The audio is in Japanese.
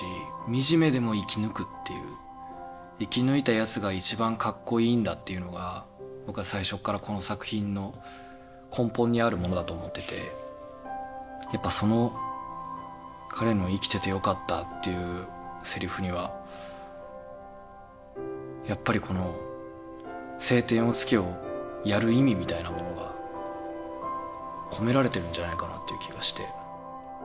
惨めでも生き抜くっていう生き抜いたやつが一番かっこいいんだっていうのが僕は最初からこの作品の根本にあるものだと思っていてやっぱその彼の「生きててよかった」というセリフにはやっぱりこの「青天を衝け」をやる意味みたいなものが込められてるんじゃないかなっていう気がして。